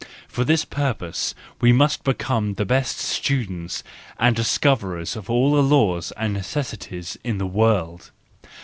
And for this purpose we must become the best students and discoverers of all the laws and necessities in the world.